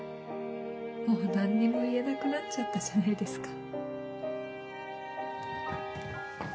もう何にも言えなくなっちゃったじゃないですか。